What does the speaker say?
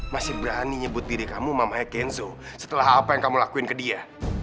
masih berani nyebut diri kamu mamanya kenzo setelah apa yang kamu lakuin ke dia